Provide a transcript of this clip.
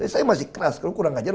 saya masih keras kalau kurang ajar